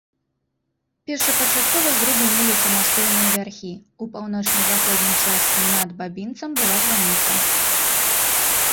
Першапачаткова зрубы мелі самастойныя вярхі, у паўночна-заходняй частцы над бабінцам была званіца.